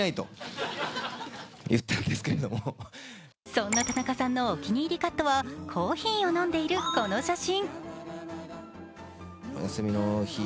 そんな田中さんのお気に入りカットはコーヒーを飲んでいるこの写真。